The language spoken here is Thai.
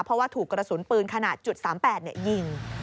เพราะว่าถูกกระสุนปืนขนาด๓๘ยิง